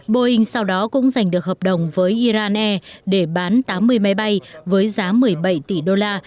boeing sau đó cũng giành được hợp đồng với iran air để bán tám mươi máy bay với giá một mươi bảy tỷ đô la